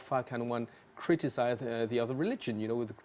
bagaimana kita bisa mengkritik agama lain